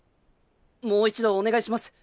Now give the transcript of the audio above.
もう一度お願いします